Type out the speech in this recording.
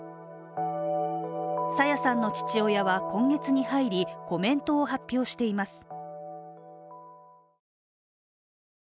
朝芽さんの父親は今月に入りコメントを発表しています。